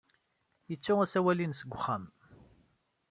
Yettu asawal-nnes deg uxxam.